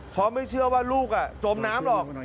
เพราะไม่เชื่อว่าลูกจมน้ำหรอก